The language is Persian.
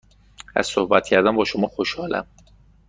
از صحبت کردن با شما خوشحالم.